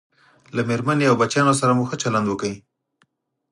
له میرمنې او بچیانو سره مو ښه چلند وکړئ